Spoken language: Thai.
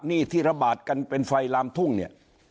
นี่ที่ระบาดกันเป็นไฟลามทุ่งเนี่ย